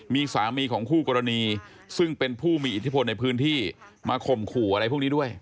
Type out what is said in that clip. มีสามีของคู่กรณีซึ่งเป็นผู้มีอิทธิพลในพื้นที่มาข่มขู่อะไรพวกนี้ด้วย